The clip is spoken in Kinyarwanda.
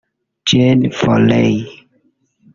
Jane Foley